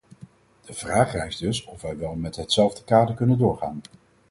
De vraag rijst dus of wij wel met hetzelfde kader kunnen doorgaan.